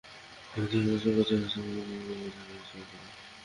আমাদের কানে আছে বধিরতা এবং আমাদের ও তোমার মাঝে রয়েছে অন্তরাল।